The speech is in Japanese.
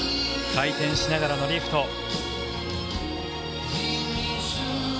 回転しながらのリフト。